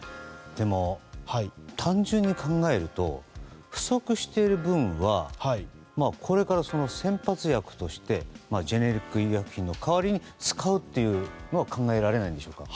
単純に考えると不足している分はこれから先発薬としてジェネリック医薬品の代わりに使うっていうのは考えられないんでしょうか。